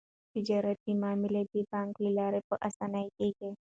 تجارتي معاملې د بانک له لارې په اسانۍ کیږي.